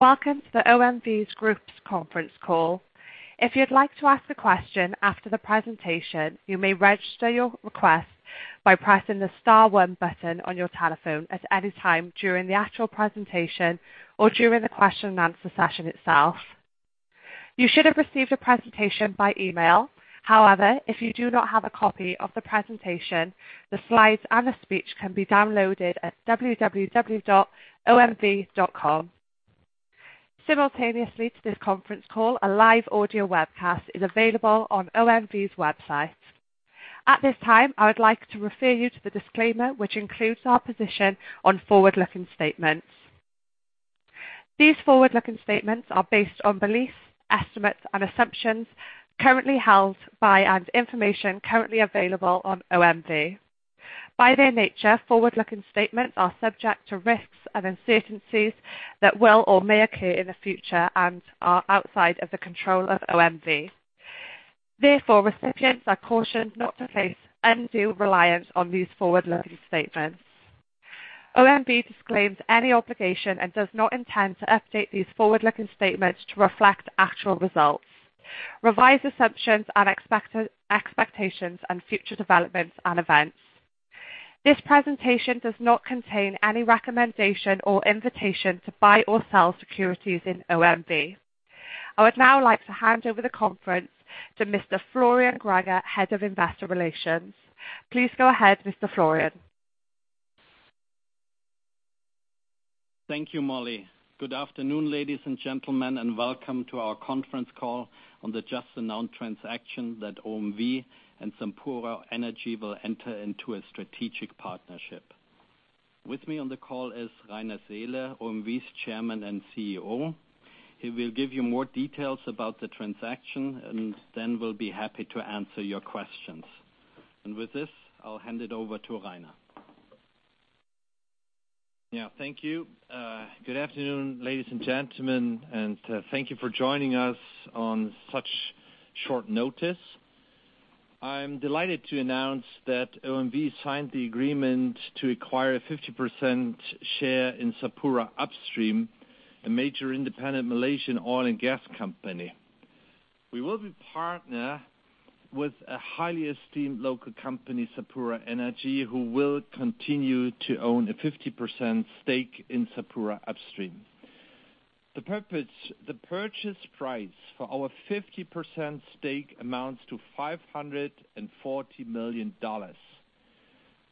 Welcome to the OMV Group's conference call. If you would like to ask a question after the presentation, you may register your request by pressing the star one button on your telephone at any time during the actual presentation or during the question-and-answer session itself. You should have received a presentation by email. However, if you do not have a copy of the presentation, the slides and the speech can be downloaded at www.omv.com. Simultaneously to this conference call, a live audio webcast is available on OMV's website. At this time, I would like to refer you to the disclaimer, which includes our position on forward-looking statements. These forward-looking statements are based on beliefs, estimates, and assumptions currently held by and information currently available on OMV. By their nature, forward-looking statements are subject to risks and uncertainties that will or may occur in the future and are outside of the control of OMV. Therefore, recipients are cautioned not to place undue reliance on these forward-looking statements. OMV disclaims any obligation and does not intend to update these forward-looking statements to reflect actual results, revised assumptions and expectations, and future developments and events. This presentation does not contain any recommendation or invitation to buy or sell securities in OMV. I would now like to hand over the conference to Mr. Florian Greger, Head of Investor Relations. Please go ahead, Mr. Florian. Thank you, Molly. Good afternoon, ladies and gentlemen, and welcome to our conference call on the just announced transaction that OMV and Sapura Energy will enter into a strategic partnership. With me on the call is Rainer Seele, OMV's Chairman and CEO. He will give you more details about the transaction, and then we will be happy to answer your questions. With this, I will hand it over to Rainer. Yeah. Thank you. Good afternoon, ladies and gentlemen, and thank you for joining us on such short notice. I am delighted to announce that OMV signed the agreement to acquire a 50% share in Sapura Upstream, a major independent Malaysian oil and gas company. We will be partner with a highly esteemed local company, Sapura Energy, who will continue to own a 50% stake in Sapura Upstream. The purchase price for our 50% stake amounts to $540 million.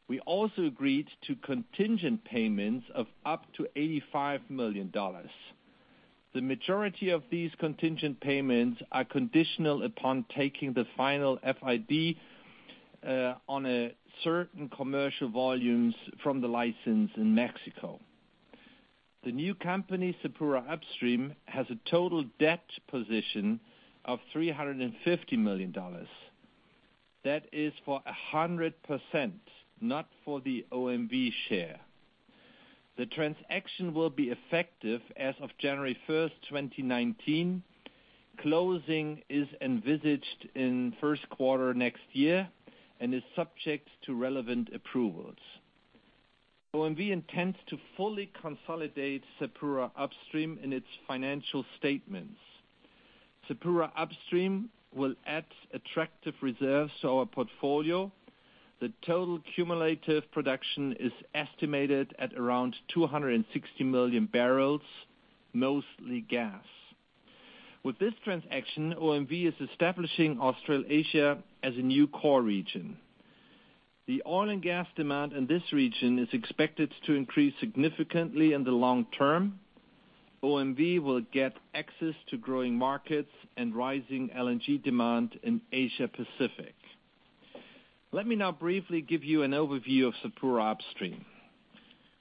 We also agreed to contingent payments of up to $85 million. The majority of these contingent payments are conditional upon taking the final FID on certain commercial volumes from the license in Mexico. The new company, Sapura Upstream, has a total debt position of $350 million. That is for 100%, not for the OMV share. The transaction will be effective as of January 1, 2019. Closing is envisaged in first quarter next year and is subject to relevant approvals. OMV intends to fully consolidate Sapura Upstream in its financial statements. Sapura Upstream will add attractive reserves to our portfolio. The total cumulative production is estimated at around 260 million bbl, mostly gas. With this transaction, OMV is establishing Australasia as a new core region. The oil and gas demand in this region is expected to increase significantly in the long-term. OMV will get access to growing markets and rising LNG demand in Asia Pacific. Let me now briefly give you an overview of Sapura Upstream.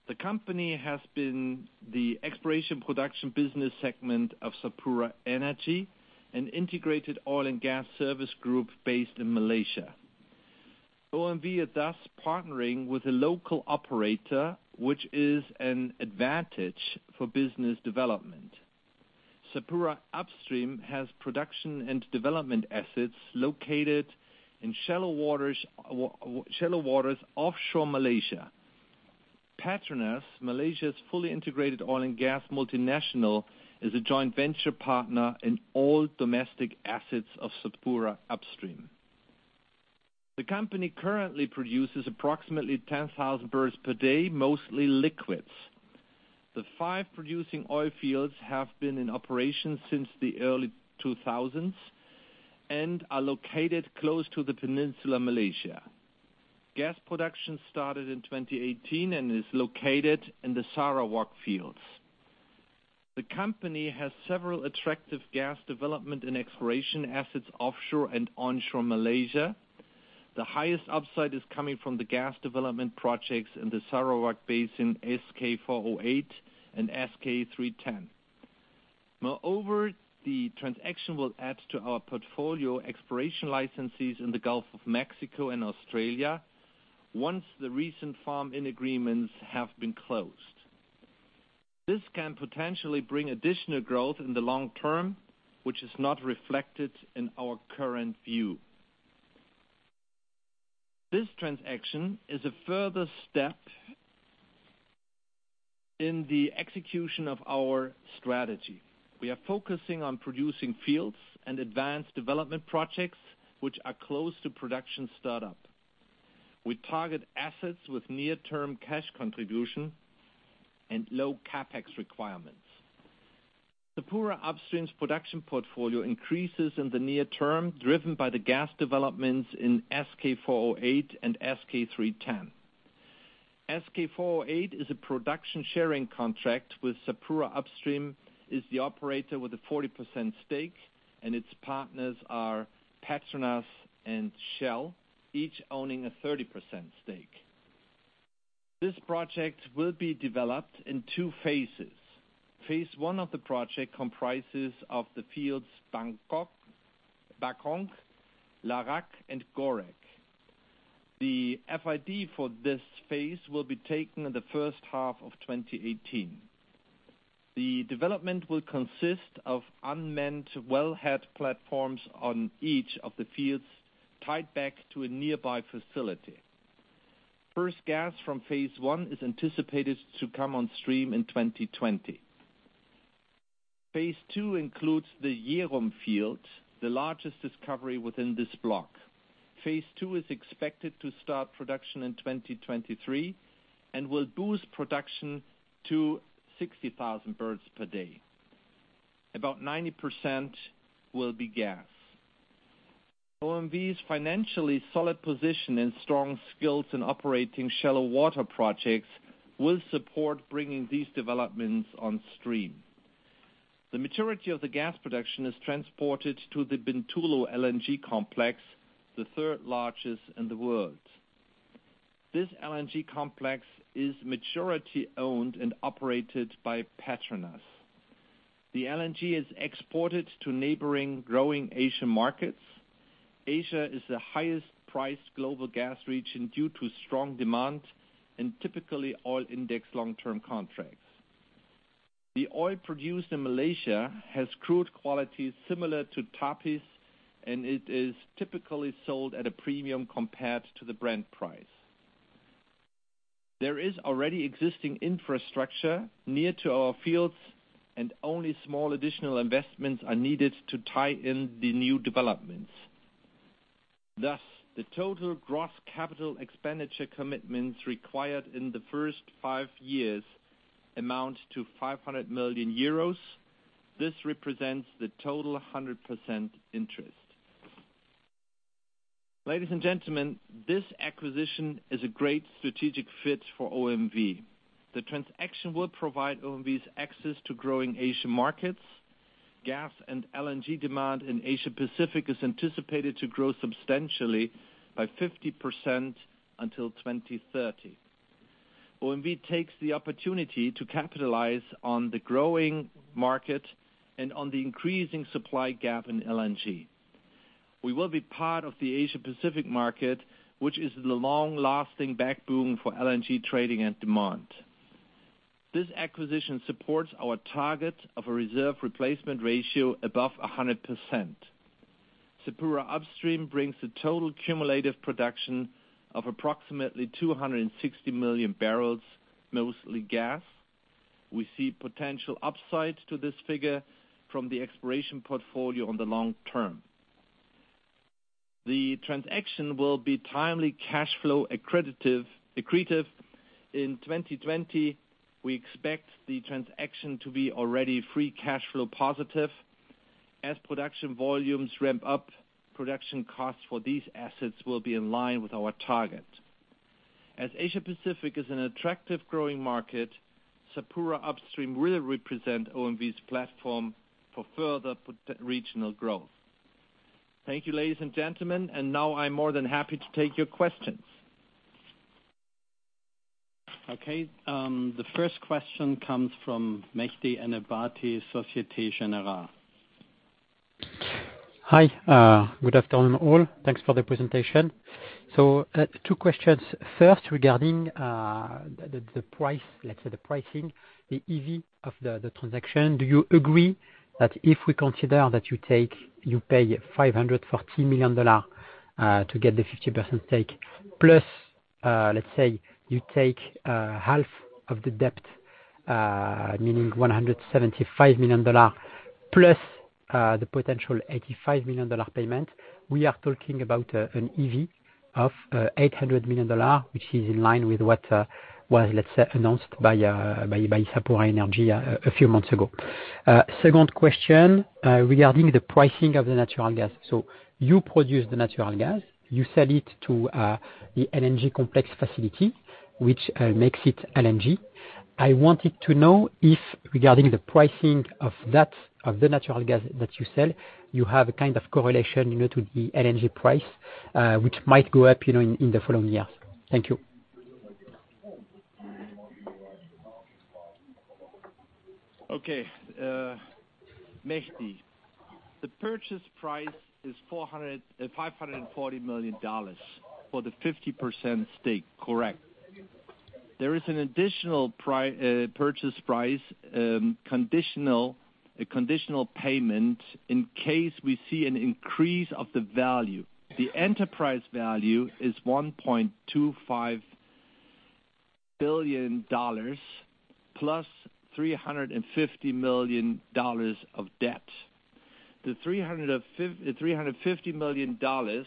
The company has been the exploration production business segment of Sapura Energy, an integrated oil and gas service group based in Malaysia. OMV is thus partnering with a local operator, which is an advantage for business development. Sapura Upstream has production and development assets located in shallow waters offshore Malaysia. PETRONAS, Malaysia's fully integrated oil and gas multinational, is a joint venture partner in all domestic assets of Sapura Upstream. The company currently produces approximately 10,000 bbl per day, mostly liquids. The five producing oil fields have been in operation since the early 2000s and are located close to Peninsular Malaysia. Gas production started in 2018 and is located in the Sarawak fields. The company has several attractive gas development and exploration assets offshore and onshore Malaysia. The highest upside is coming from the gas development projects in the Sarawak Basin, SK408 and SK310. Moreover, the transaction will add to our portfolio exploration licenses in the Gulf of Mexico and Australia, once the recent farm-in agreements have been closed. This can potentially bring additional growth in the long-term, which is not reflected in our current view. This transaction is a further step in the execution of our strategy. We are focusing on producing fields and advanced development projects which are close to production startup. We target assets with near-term cash contribution and low CapEx requirements. Sapura Upstream's production portfolio increases in the near-term, driven by the gas developments in SK408 and SK310. SK408 is a production sharing contract with Sapura Upstream, is the operator with a 40% stake, and its partners are PETRONAS and Shell, each owning a 30% stake. This project will be developed in two phases. Phase one of the project comprises of the fields Bangkok, Bakong, Larak and Gorek. The FID for this phase will be taken in the first half of 2018. The development will consist of unmanned wellhead platforms on each of the fields, tied back to a nearby facility. First gas from phase I is anticipated to come on stream in 2020. Phase II includes the Jerum field, the largest discovery within this block. Phase II is expected to start production in 2023 and will boost production to 60,000 bbl per day. About 90% will be gas. OMV's financially solid position and strong skills in operating shallow water projects will support bringing these developments on stream. The majority of the gas production is transported to the PETRONAS Bintulu LNG Complex, the third largest in the world. This LNG complex is majority owned and operated by PETRONAS. The LNG is exported to neighboring growing Asian markets. Asia is the highest priced global gas region due to strong demand and typically oil indexed long-term contracts. The oil produced in Malaysia has crude quality similar to Tapis, and it is typically sold at a premium compared to the Brent price. There is already existing infrastructure near to our fields, and only small additional investments are needed to tie in the new developments. Thus, the total gross capital expenditure commitments required in the first five years amount to 500 million euros. This represents the total 100% interest. Ladies and gentlemen, this acquisition is a great strategic fit for OMV. The transaction will provide OMV's access to growing Asian markets. Gas and LNG demand in Asia Pacific is anticipated to grow substantially by 50% until 2030. OMV takes the opportunity to capitalize on the growing market and on the increasing supply gap in LNG. We will be part of the Asia Pacific market, which is the long lasting backbone for LNG trading and demand. This acquisition supports our target of a reserve replacement ratio above 100%. Sapura Upstream brings the total cumulative production of approximately 260 million bbl, mostly gas. We see potential upside to this figure from the exploration portfolio on the long-term. The transaction will be timely cash flow accretive in 2020. We expect the transaction to be already free cash flow positive. As production volumes ramp up, production costs for these assets will be in line with our target. As Asia Pacific is an attractive growing market, Sapura Upstream will represent OMV's platform for further regional growth. Thank you, ladies and gentlemen. Now I'm more than happy to take your questions. Okay. The first question comes from Mehdi Ennebati, Société Générale. Hi. Good afternoon, all. Thanks for the presentation. Two questions. First, regarding the price, let's say the pricing, the EV of the transaction. Do you agree that if we consider that you pay $540 million to get the 50% stake, plus, let's say you take half of the debt, meaning $175 million, plus the potential $85 million payment. We are talking about an EV of $800 million, which is in line with what was, let's say, announced by Sapura Energy a few months ago. Second question, regarding the pricing of the natural gas. You produce the natural gas, you sell it to the LNG complex facility, which makes it LNG. I wanted to know if, regarding the pricing of the natural gas that you sell, you have a kind of correlation to the LNG price, which might go up in the following years. Thank you. Okay. Mehdi, the purchase price is $540 million for the 50% stake, correct? There is an additional purchase price, a conditional payment in case we see an increase of the value. The enterprise value is $1.25 billion plus $350 million of debt. The $350 million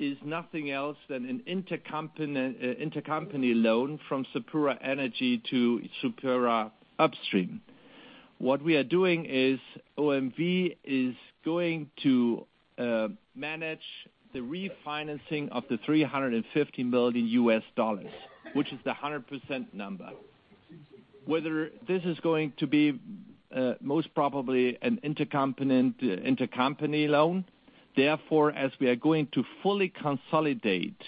is nothing else than an intercompany loan from Sapura Energy to Sapura Upstream. What we are doing is OMV is going to manage the refinancing of the $350 million, which is the 100% number. Whether this is going to be most probably an intercompany loan. Therefore, as we are going to fully consolidate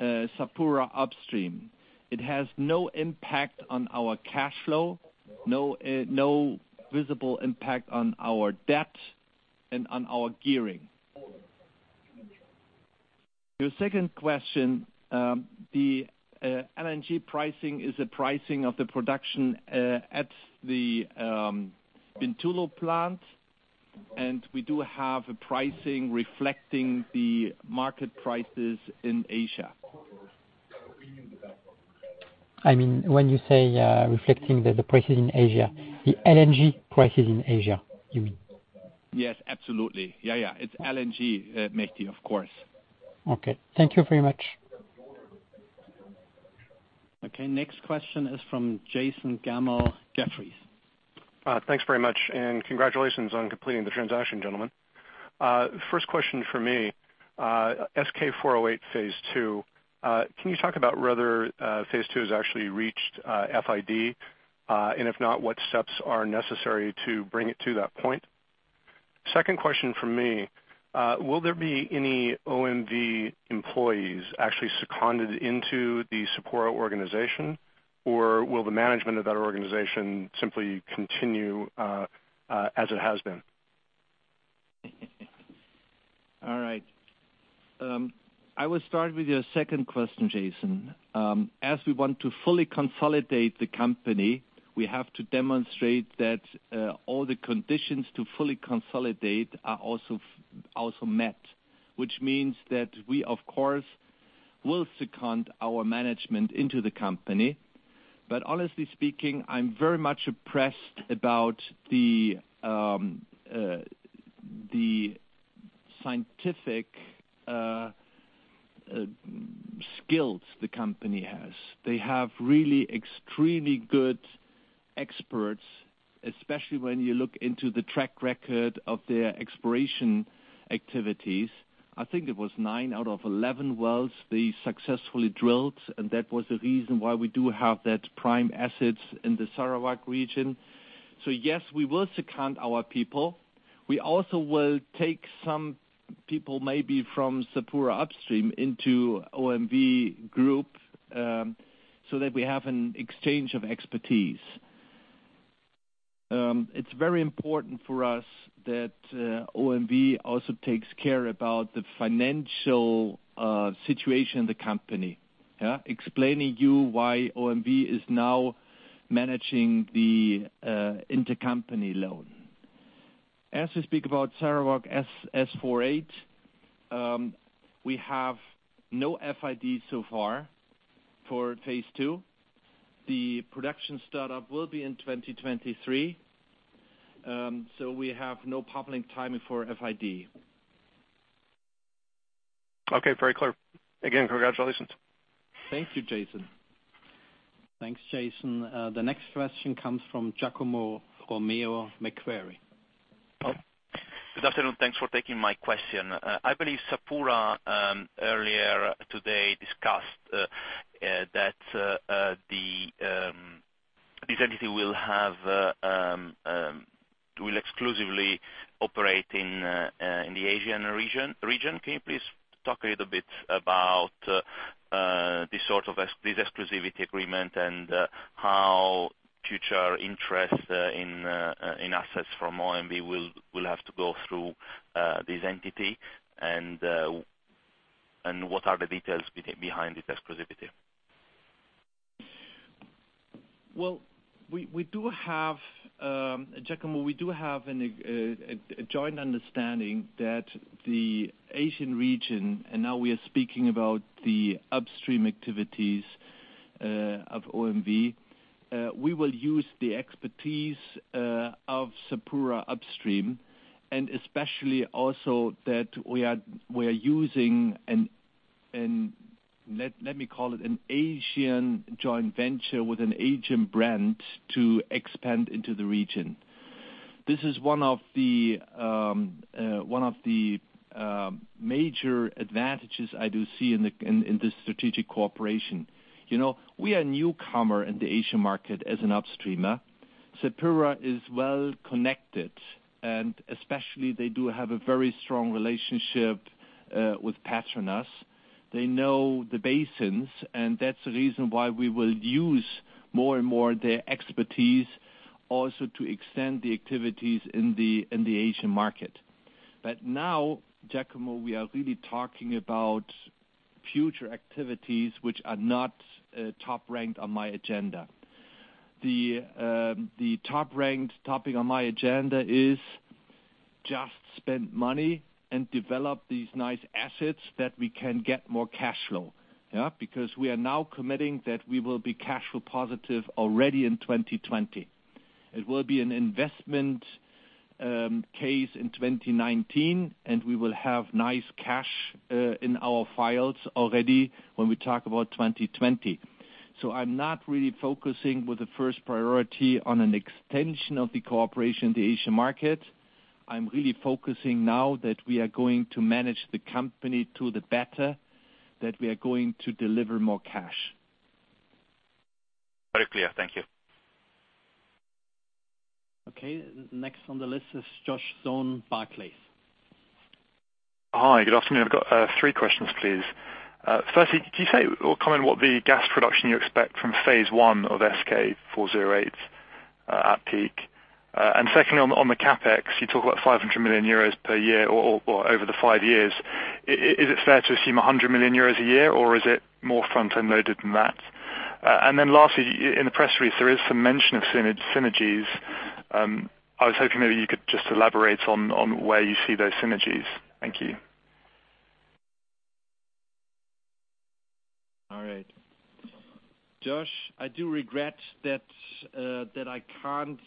Sapura Upstream, it has no impact on our cash flow, no visible impact on our debt and on our gearing. Your second question, the LNG pricing is the pricing of the production at the Bintulu plant, and we do have a pricing reflecting the market prices in Asia. When you say reflecting the prices in Asia, the LNG prices in Asia, you mean? Yes, absolutely. Yeah. It's LNG, Mehdi, of course. Okay. Thank you very much. Okay. Next question is from Jason Gammel, Jefferies. Thanks very much, and congratulations on completing the transaction, gentlemen. First question from me, SK408 Phase II. Can you talk about whether Phase II has actually reached FID? If not, what steps are necessary to bring it to that point? Second question from me, will there be any OMV employees actually seconded into the Sapura organization? Will the management of that organization simply continue as it has been? All right. I will start with your second question, Jason. As we want to fully consolidate the company, we have to demonstrate that all the conditions to fully consolidate are also met, which means that we, of course, will second our management into the company. Honestly speaking, I'm very much impressed about the scientific skills the company has. They have really extremely good experts, especially when you look into the track record of their exploration activities. I think it was nine out of 11 wells they successfully drilled, and that was the reason why we do have that prime assets in the Sarawak region. Yes, we will second our people. We also will take some people maybe from Sapura Upstream into OMV Group, so that we have an exchange of expertise. It's very important for us that OMV also takes care about the financial situation in the company. Explaining you why OMV is now managing the intercompany loan. As we speak about Sarawak SK408, we have no FID so far for phase two. The production start-up will be in 2023. We have no public timing for FID. Okay, very clear. Again, congratulations. Thank you, Jason. Thanks, Jason. The next question comes from Giacomo Romeo, Macquarie. Good afternoon. Thanks for taking my question. I believe Sapura, earlier today, discussed that this entity will exclusively operate in the Asian region. Can you please talk a little bit about this exclusivity agreement and how future interest in assets from OMV will have to go through this entity, and what are the details behind this exclusivity? Giacomo, we do have a joint understanding that the Asian region. Now we are speaking about the upstream activities of OMV. We will use the expertise of Sapura Upstream, especially also that we are using, let me call it an Asian joint venture with an Asian brand to expand into the region. This is one of the major advantages I do see in this strategic cooperation. We are newcomer in the Asian market as an upstreamer. Sapura is well-connected, especially they do have a very strong relationship with PETRONAS. They know the basins, that's the reason why we will use more and more their expertise also to extend the activities in the Asian market. Now, Giacomo, we are really talking about future activities, which are not top-ranked on my agenda. The top-ranked topic on my agenda is just spend money and develop these nice assets that we can get more cash flow. We are now committing that we will be cash flow positive already in 2020. It will be an investment case in 2019, we will have nice cash in our files already when we talk about 2020. I'm not really focusing with the first priority on an extension of the cooperation in the Asian market. I'm really focusing now that we are going to manage the company to the better, that we are going to deliver more cash. Very clear. Thank you. Okay. Next on the list is Josh Stone, Barclays. Hi, good afternoon. I've got three questions, please. Firstly, can you say or comment what the gas production you expect from phase one of SK408 at peak? Secondly, on the CapEx, you talk about 500 million euros per year or over the five years. Is it fair to assume 100 million euros a year, or is it more front-end loaded than that? Lastly, in the press release, there is some mention of synergies. I was hoping maybe you could just elaborate on where you see those synergies. Thank you. All right. Josh, I do regret that I can't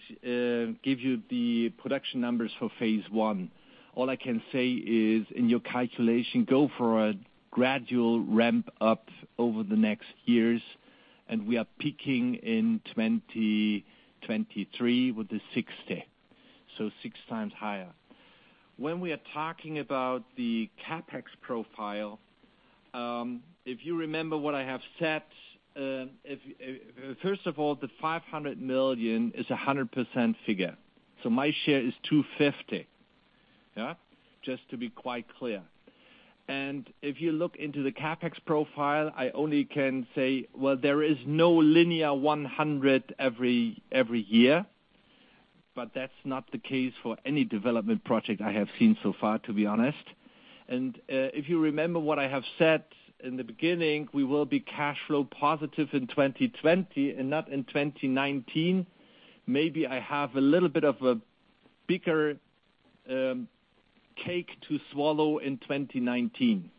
give you the production numbers for phase one. All I can say is in your calculation, go for a gradual ramp up over the next years, we are peaking in 2023 with the 60. 6x higher. When we are talking about the CapEx profile, if you remember what I have said. First of all, the 500 million is 100% figure. My share is 250. Just to be quite clear. If you look into the CapEx profile, I only can say, well, there is no linear 100 every year, but that's not the case for any development project I have seen so far, to be honest. If you remember what I have said in the beginning, we will be cash flow positive in 2020 and not in 2019. Maybe I have a little bit of a bigger cake to swallow in 2019.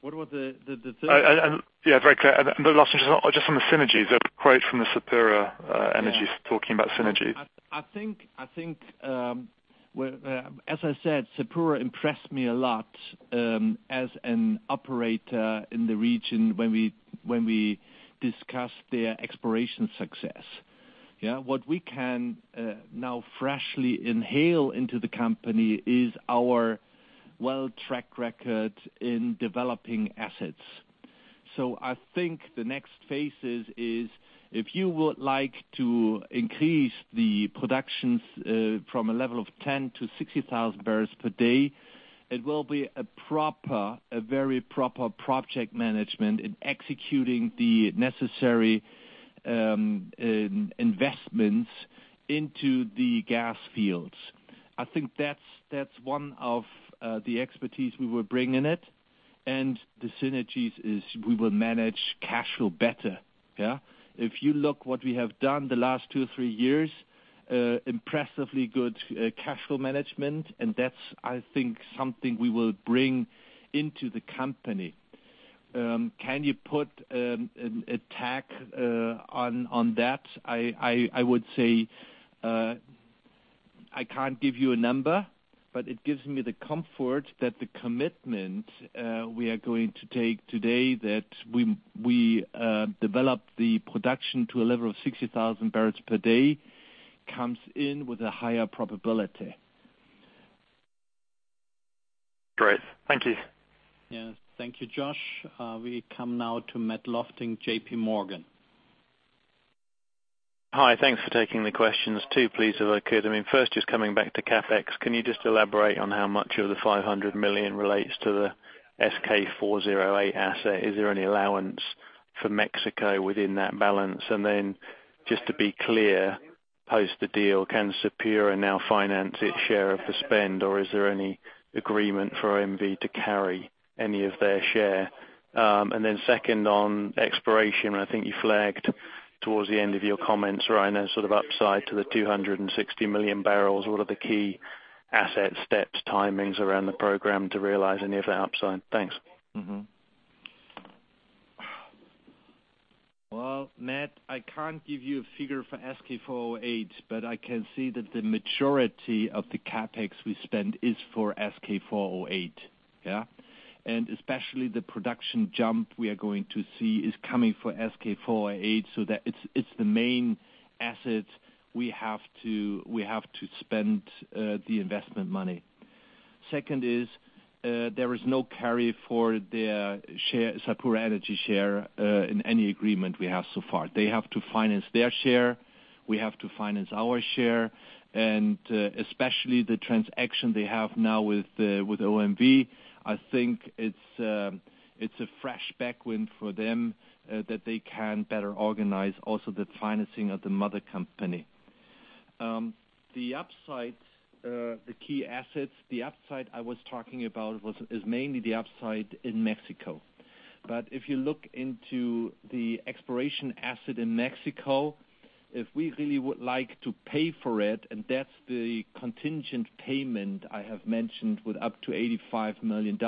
What was the third- Yeah, very clear. The last one, just on the synergies, a quote from the Sapura Energy talking about synergies. I think as I said, Sapura impressed me a lot as an operator in the region when we discussed their exploration success. What we can now freshly inhale into the company is our well track record in developing assets. I think the next phases is if you would like to increase the production from a level 10- 60,000 bbl per day, it will be a very proper project management in executing the necessary investments into the gas fields. I think that's one of the expertise we will bring in it, and the synergies is we will manage cash flow better. If you look what we have done the last two, three years, impressively good cash flow management, and that's, I think, something we will bring into the company. Can you put a tack on that? I would say, I can't give you a number, but it gives me the comfort that the commitment we are going to take today that we develop the production to a level of 60,000 bbl per day comes in with a higher probability. Great. Thank you. Yes. Thank you, Josh. We come now to Matt Lofting, JPMorgan. Hi. Thanks for taking the questions. Two, please, if I could. First, coming back to CapEx, can you elaborate on how much of the 500 million relates to the SK408 asset? Is there any allowance for Mexico within that balance? Then just to be clear, post the deal, can Sapura now finance its share of the spend, or is there any agreement for OMV to carry any of their share? Second, on exploration, I think you flagged towards the end of your comments around a sort of upside to the 260 million bbl. What are the key asset steps, timings around the program to realize any of the upside? Thanks. Well, Matt, I can't give you a figure for SK408, but I can see that the majority of the CapEx we spend is for SK408. Especially the production jump we are going to see is coming for SK408, so that it's the main asset we have to spend the investment money. Second is, there is no carry for their Sapura Energy share in any agreement we have so far. They have to finance their share. We have to finance our share. Especially the transaction they have now with OMV, I think it's a fresh tailwind for them that they can better organize also the financing of the mother company. The key assets. The upside I was talking about is mainly the upside in Mexico. If you look into the exploration asset in Mexico, if we really would like to pay for it, and that's the contingent payment I have mentioned with up to $85 million,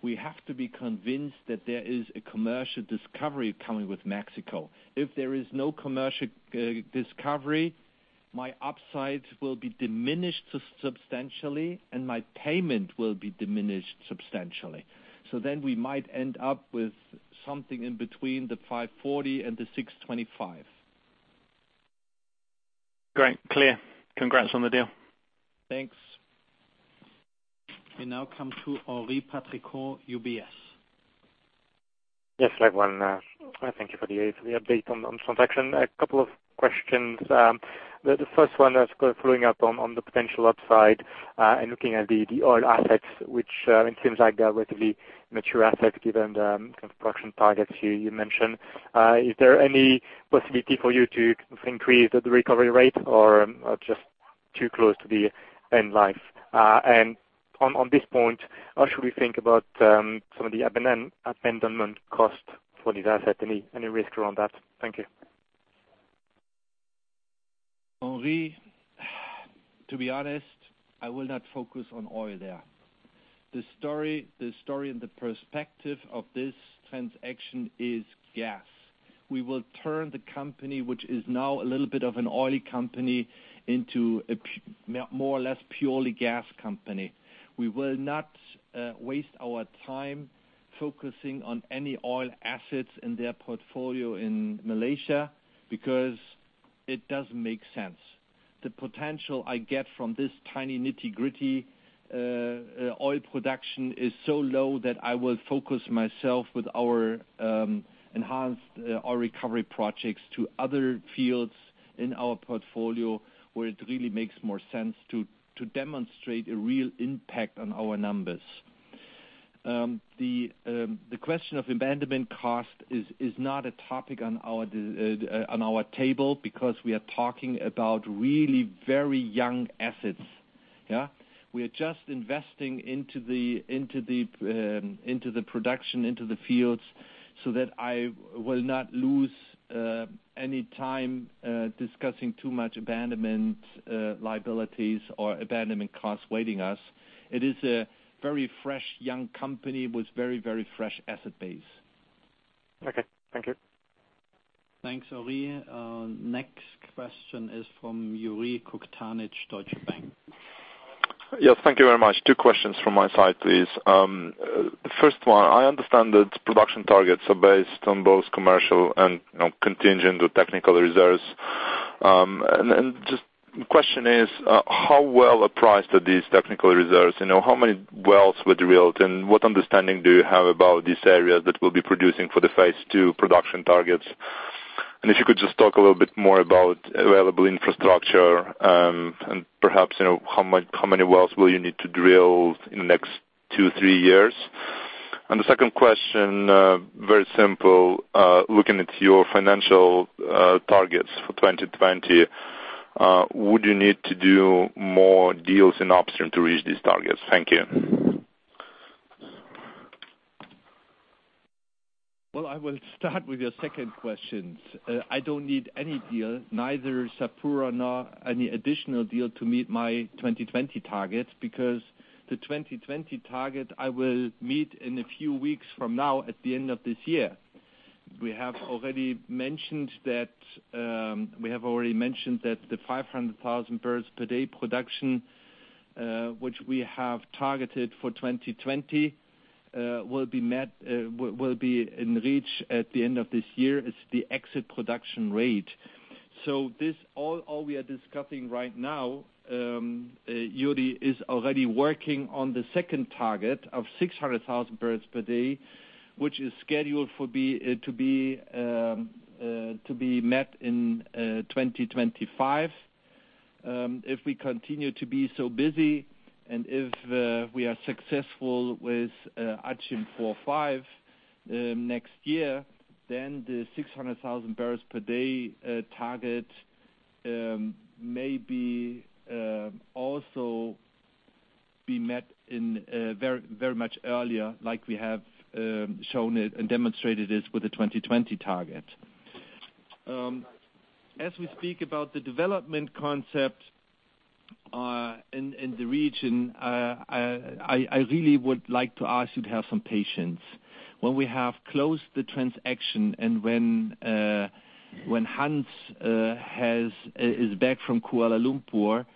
we have to be convinced that there is a commercial discovery coming with Mexico. If there is no commercial discovery, my upside will be diminished substantially, and my payment will be diminished substantially. We might end up with something in between the $540 and the $625. Great. Clear. Congrats on the deal. Thanks. We now come to Henri Patricot, UBS. Yes, I have one. Thank you for the update on the transaction. A couple of questions. The first one is following up on the potential upside, looking at the oil assets, which it seems like they're relatively mature assets given the construction targets you mentioned. Is there any possibility for you to increase the recovery rate or just too close to the end life? On this point, how should we think about some of the abandonment cost for this asset? Any risk around that? Thank you. Henri, to be honest, I will not focus on oil there. The story and the perspective of this transaction is gas. We will turn the company, which is now a little bit of an oil company, into a more or less purely gas company. We will not waste our time focusing on any oil assets in their portfolio in Malaysia because it doesn't make sense. The potential I get from this tiny nitty-gritty oil production is so low that I will focus myself with our enhanced oil recovery projects to other fields in our portfolio, where it really makes more sense to demonstrate a real impact on our numbers. The question of abandonment cost is not a topic on our table because we are talking about really very young assets. We are just investing into the production, into the fields, so that I will not lose any time discussing too much abandonment liabilities or abandonment costs waiting us. It is a very fresh, young company with very fresh asset base. Okay. Thank you. Thanks, Henri. Next question is from Yuriy Kukhtanych, Deutsche Bank. Thank you very much. Two questions from my side, please. The first one, I understand that production targets are based on both commercial and contingent or technical reserves. Just the question is, how well apprised are these technical reserves? How many wells were drilled, and what understanding do you have about these areas that will be producing for the phase II production targets? If you could just talk a little bit more about available infrastructure, and perhaps, how many wells will you need to drill in the next two, three years? The second question, very simple. Looking at your financial targets for 2020, would you need to do more deals in upstream to reach these targets? Thank you. Well, I will start with your second question. I don't need any deal, neither Sapura nor any additional deal to meet my 2020 targets because the 2020 target I will meet in a few weeks from now at the end of this year. We have already mentioned that the 500,000 bbl per day production, which we have targeted for 2020, will be in reach at the end of this year as the exit production rate. All we are discussing right now, Yuriy, is already working on the second target of 600,000 bbl per day, which is scheduled to be met in 2025. If we continue to be so busy and if we are successful with Achimov four, five next year, the 600,000 bbl per day target may also be met very much earlier like we have shown it and demonstrated this with the 2020 target. As we speak about the development concept in the region, I really would like to ask you to have some patience. When we have closed the transaction and when Hans is back from Kuala Lumpur,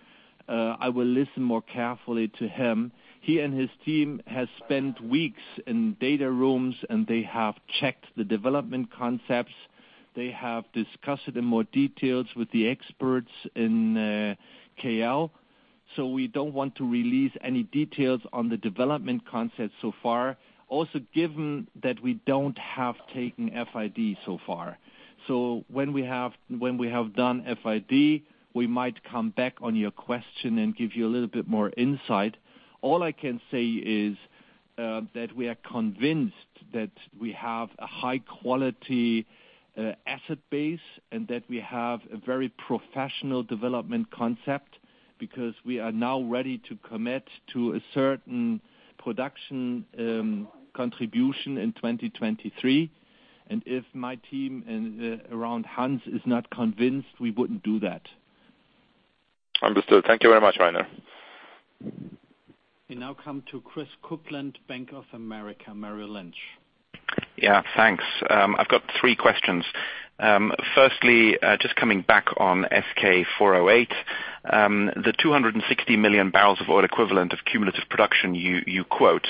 I will listen more carefully to him. He and his team has spent weeks in data rooms, and they have checked the development concepts. They have discussed it in more details with the experts in KL. We don't want to release any details on the development concept so far. Also, given that we don't have taken FID so far. When we have done FID, we might come back on your question and give you a little bit more insight. All I can say is that we are convinced that we have a high-quality asset base and that we have a very professional development concept because we are now ready to commit to a certain production contribution in 2023. If my team around Hans is not convinced, we wouldn't do that. Understood. Thank you very much, Rainer. We now come to Christopher Kuplent, Bank of America Merrill Lynch. Thanks. I have three questions. First, coming back on SK408, the 260 million bbl of oil equivalent of cumulative production you quote.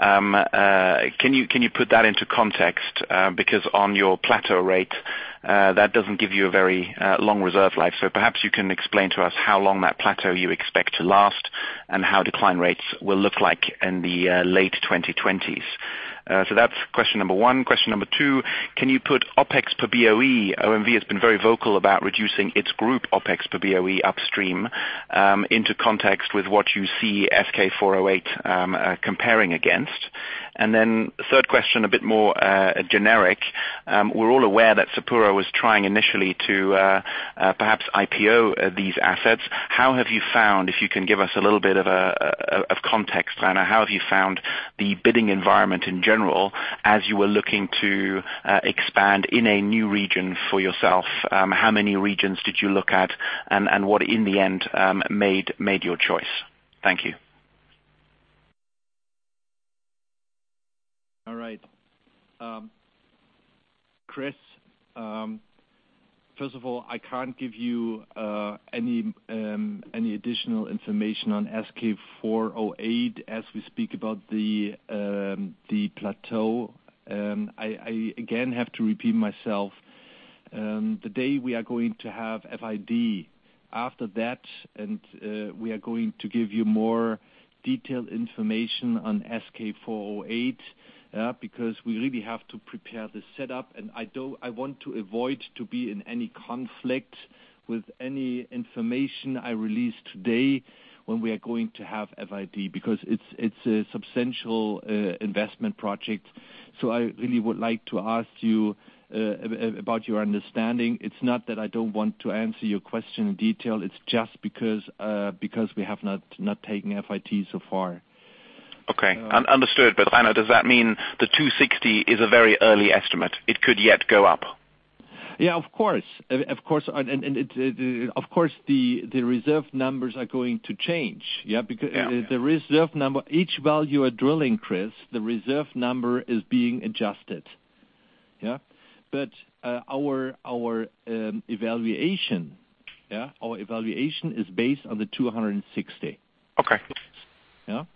Can you put that into context? On your plateau rate, that does not give you a very long reserve life. Perhaps you can explain to us how long that plateau you expect to last, and how decline rates will look like in the late 2020s. That is question number one. Question number two, can you put OPEX per BOE, OMV has been very vocal about reducing its group OPEX per BOE upstream, into context with what you see SK408 comparing against? Third question, a bit more generic. We are all aware that Sapura was trying initially to perhaps IPO these assets. If you can give us a little bit of context, Rainer, how have you found the bidding environment in general as you were looking to expand in a new region for yourself? How many regions did you look at and what in the end made your choice? Thank you. All right. Chris, first of all, I cannot give you any additional information on SK408 as we speak about the plateau. I again have to repeat myself. The day we are going to have FID, after that, we are going to give you more detailed information on SK408, because we really have to prepare the setup, and I want to avoid being in any conflict with any information I release today when we are going to have FID. It is a substantial investment project. I really would like to ask you about your understanding. It is not that I do not want to answer your question in detail. It is just because we have not taken FID so far. Okay. Understood. Rainer, does that mean the 260 is a very early estimate? It could yet go up. Of course. Of course, the reserve numbers are going to change. Yeah. The reserve number, each well you are drilling, Chris, the reserve number is being adjusted. Our evaluation is based on the 260. Okay.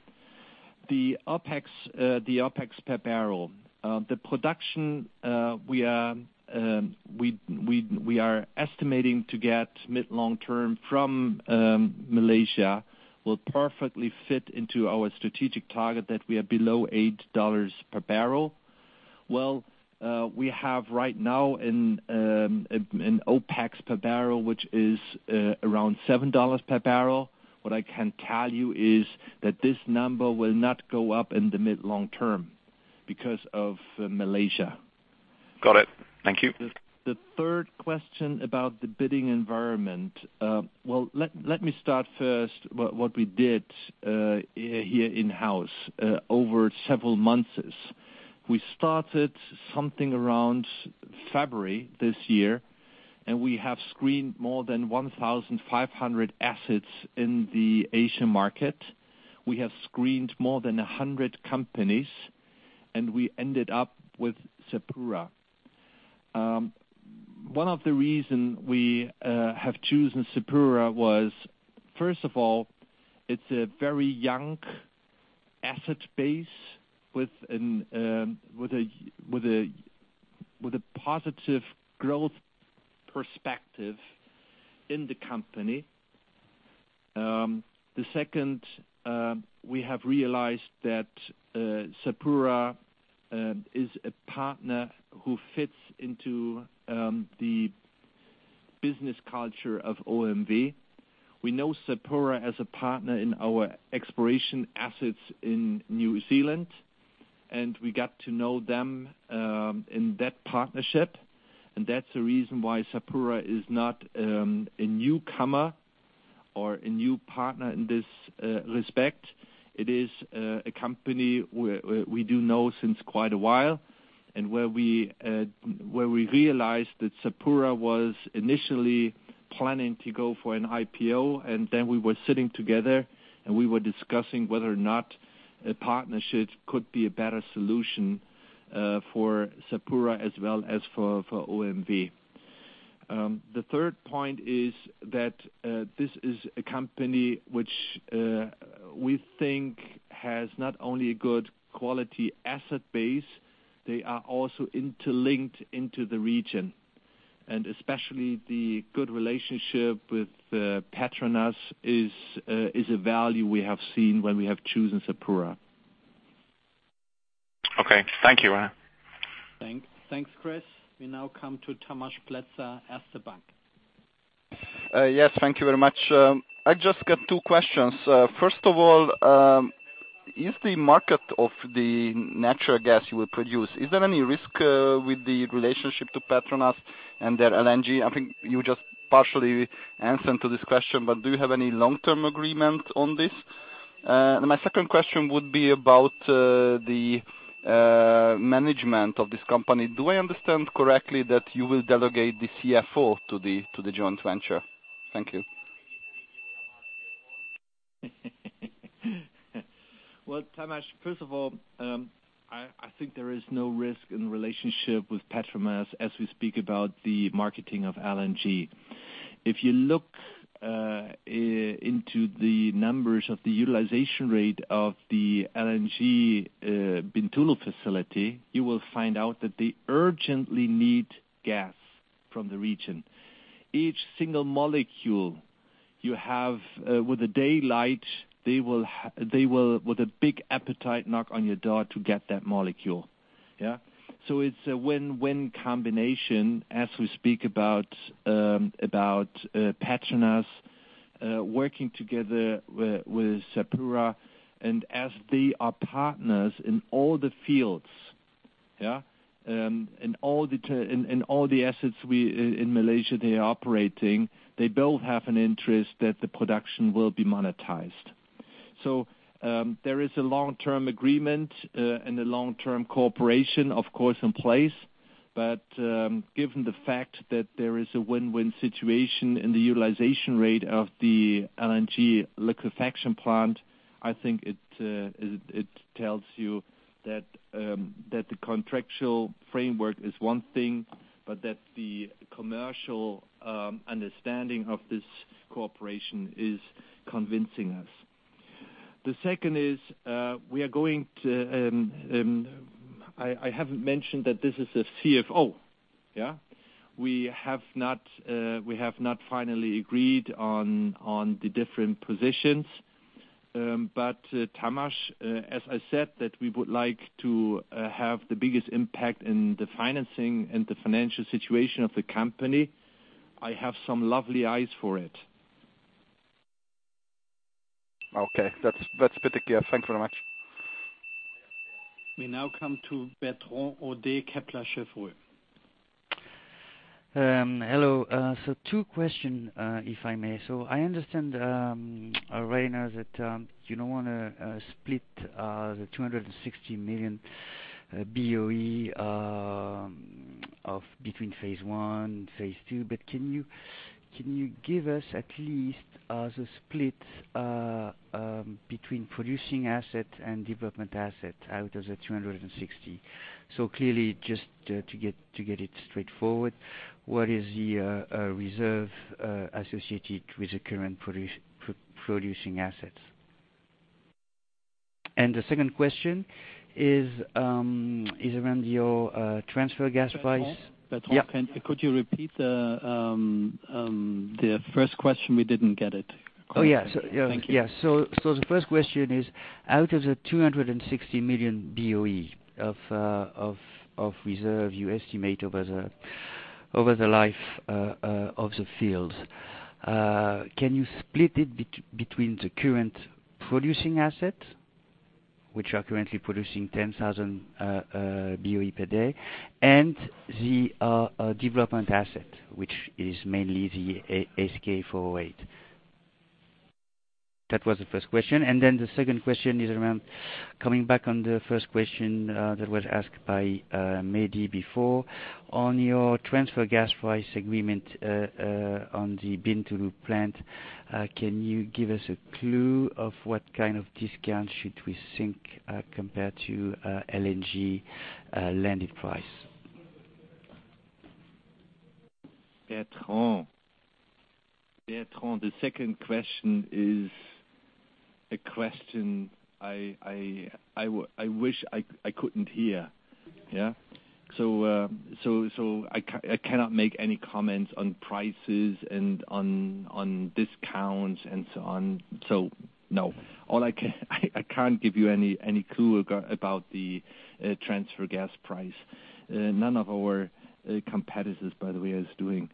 The OPEX per barrel. The production we are estimating to get mid long-term from Malaysia will perfectly fit into our strategic target that we are below EUR 8 per barrel. We have right now an OPEX per barrel, which is around EUR 7 per barrel. What I can tell you is that this number will not go up in the mid long-term because of Malaysia. Got it. Thank you. The third question about the bidding environment. Let me start first what we did here in-house, over several months. We started something around February this year. We have screened more than 1,500 assets in the Asian market. We have screened more than 100 companies. We ended up with Sapura. One of the reason we have chosen Sapura was, first of all, it's a very young asset base with a positive growth perspective in the company. The second, we have realized that Sapura is a partner who fits into the business culture of OMV. We know Sapura as a partner in our exploration assets in New Zealand. We got to know them in that partnership. That's the reason why Sapura is not a newcomer or a new partner in this respect. It is a company we do know since quite a while. We realized that Sapura was initially planning to go for an IPO. We were sitting together. We were discussing whether or not a partnership could be a better solution for Sapura as well as for OMV. The third point is that this is a company which we think has not only a good quality asset base, they are also interlinked into the region. Especially the good relationship with PETRONAS is a value we have seen when we have chosen Sapura. Okay. Thank you, Rainer. Thanks, Chris. We now come to Tamas Pletser, Erste Bank. Yes. Thank you very much. I just got two questions. First of all, is the market of the natural gas you will produce, is there any risk with the relationship to PETRONAS and their LNG? I think you just partially answered to this question. Do you have any long-term agreement on this? My second question would be about the management of this company. Do I understand correctly that you will delegate the CFO to the joint venture? Thank you. Tamas, first of all, I think there is no risk in relationship with PETRONAS as we speak about the marketing of LNG. If you look into the numbers of the utilization rate of the LNG Bintulu facility, you will find out that they urgently need gas from the region. Each single molecule you have with a daylight, they will, with a big appetite, knock on your door to get that molecule. Yeah? It's a win-win combination as we speak about PETRONAS working together with Sapura, and as they are partners in all the fields. Yeah? In all the assets in Malaysia they are operating, they both have an interest that the production will be monetized. There is a long-term agreement and a long-term cooperation, of course, in place. Given the fact that there is a win-win situation in the utilization rate of the LNG liquefaction plant, I think it tells you that the contractual framework is one thing, but that the commercial understanding of this cooperation is convincing us. The second is, I haven't mentioned that this is a CFO. Yeah? We have not finally agreed on the different positions. Tamas, as I said, that we would like to have the biggest impact in the financing and the financial situation of the company. I have some lovely eyes for it. Okay. That's pretty clear. Thank you very much. We now come to Bertrand Hodee, Kepler Cheuvreux. Hello. Two questions, if I may. I understand, Rainer, that you don't want to split the 260 million BOE between phase I, phase II. Can you give us at least the split between producing asset and development asset out of the 260? Clearly just to get it straightforward, what is the reserve associated with the current producing assets? The second question is around your transfer gas price. Bertrand? Yeah. Could you repeat the first question? We didn't get it. Yeah. Thank you. The first question is out of the 260 million BOE of reserve you estimate over the life of the field, can you split it between the current producing assets, which are currently producing 10,000 BOE per day, and the development asset, which is mainly the SK408? That was the first question. The second question is around coming back on the first question that was asked by Mehdi before on your transfer gas price agreement on the Bintulu plant. Can you give us a clue of what kind of discount should we think compared to LNG landed price? Bertrand. The second question is a question I wish I couldn't hear. I cannot make any comments on prices and on discounts and so on. No. I can't give you any clue about the transfer gas price. None of our competitors, by the way, is doing.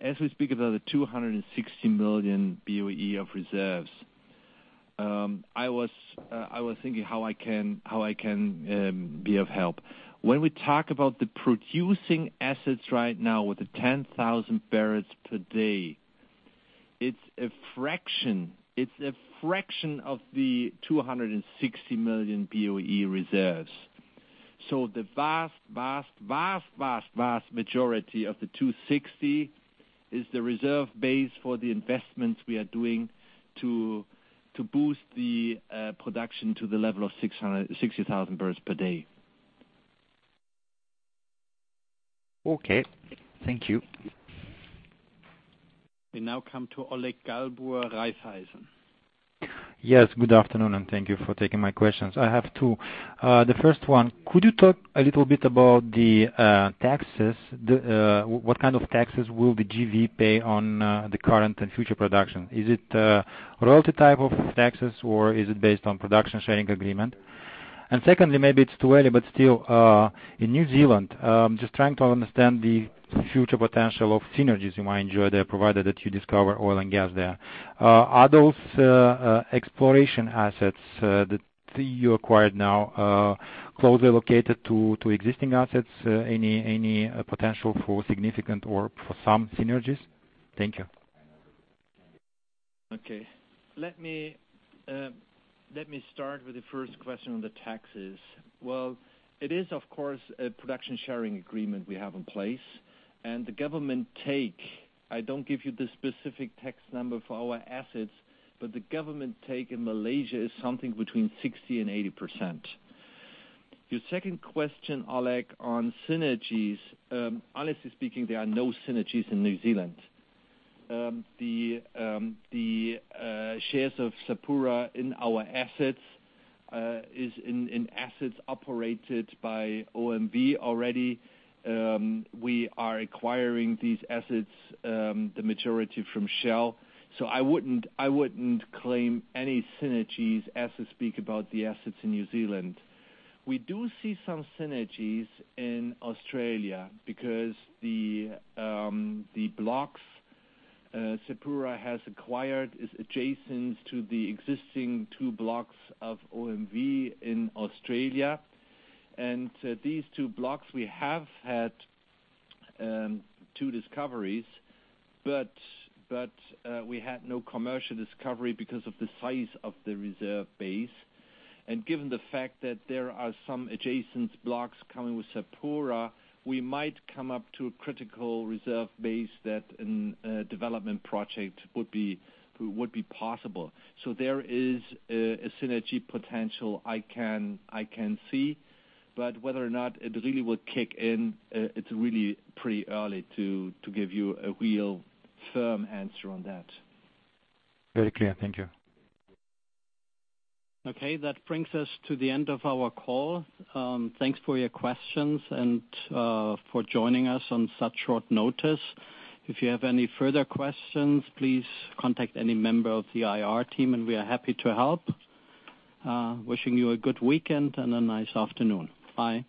As we speak about the 260 million BOE of reserves, I was thinking how I can be of help. When we talk about the producing assets right now with the 10,000 bbl per day, it's a fraction of the 260 million BOE reserves. The vast majority of the 260 is the reserve base for the investments we are doing to boost the production to the level of 60,000 bbl per day. Okay. Thank you. We now come to Oleg Galbur, Raiffeisen. Yes. Good afternoon, and thank you for taking my questions. I have two. The first one, could you talk a little bit about the taxes? What kind of taxes will the JV pay on the current and future production? Is it royalty type of taxes or is it based on production sharing agreement? Secondly, maybe it's too early, but still, in New Zealand, just trying to understand the future potential of synergies you might enjoy there, provided that you discover oil and gas there. Are those exploration assets that you acquired now closely located to existing assets? Any potential for significant or for some synergies? Thank you. Okay. Let me start with the first question on the taxes. Well, it is, of course, a production sharing agreement we have in place. The government take, I don't give you the specific tax number for our assets, but the government take in Malaysia is something between 60%-80%. Your second question, Oleg, on synergies. Honestly speaking, there are no synergies in New Zealand. The shares of Sapura in our assets is in assets operated by OMV already. We are acquiring these assets, the majority from Shell. I wouldn't claim any synergies as to speak about the assets in New Zealand. We do see some synergies in Australia because the blocks Sapura has acquired is adjacent to the existing two blocks of OMV in Australia. These two blocks we have had two discoveries, but we had no commercial discovery because of the size of the reserve base. Given the fact that there are some adjacent blocks coming with Sapura, we might come up to a critical reserve base that a development project would be possible. There is a synergy potential I can see. Whether or not it really would kick in, it's really pretty early to give you a real firm answer on that. Very clear. Thank you. Okay. That brings us to the end of our call. Thanks for your questions and for joining us on such short notice. If you have any further questions, please contact any member of the IR team and we are happy to help. Wishing you a good weekend and a nice afternoon. Bye.